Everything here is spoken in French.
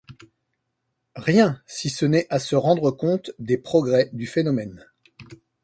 Rien, si ce n’est à se rendre compte des progrès du phénomène